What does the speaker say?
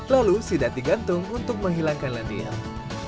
lalu sidat digantung untuk menghilangkan lendil